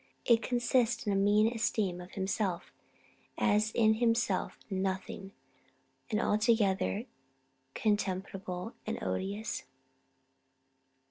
It consists in a mean esteem of himself, as in himself nothing, and altogether contemptible and odious.